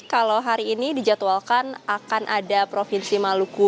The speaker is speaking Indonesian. kalau hari ini dijadwalkan akan ada provinsi maluku